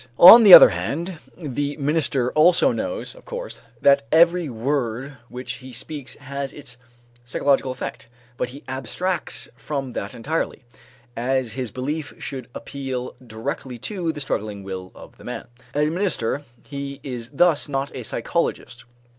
On the other hand the minister also knows, of course, that every word which he speaks has its psychological effect, but he abstracts from that entirely, as his belief should appeal directly to the struggling will of the man. As minister, he is thus not a psychologist.